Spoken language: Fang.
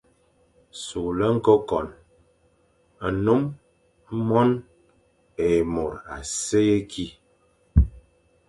Sughle ñkôkon, nnôm, mône, é môr a si ye kî,